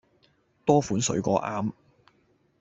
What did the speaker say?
多款水果啱